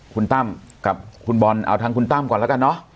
คุณตั้มกับคุณบอลเอาทางคุณตั้มก่อนแล้วกันเนอะ